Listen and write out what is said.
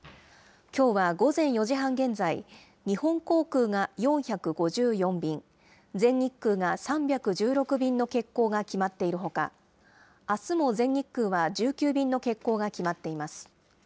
きょうは午前４時半現在、日本航空が４５４便、全日空が３１６便の欠航が決まっているほか、あすも全日空は１９便の欠航が決まっています。